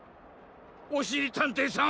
おしりたんていさん